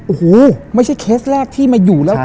โอ้โหไม่ใช่เคสแรกที่มาอยู่แล้ว